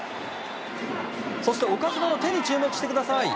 そして岡島の手に注目してください。